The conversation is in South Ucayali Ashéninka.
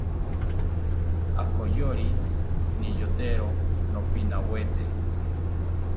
Akoyori niyotero nopinawete